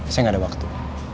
saya gak ada waktu